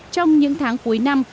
trong những tháng cuối năm